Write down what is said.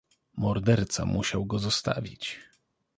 "Morderca musiał go zostawić."